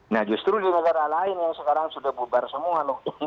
nah justru di negara lain yang sekarang sudah bubar semua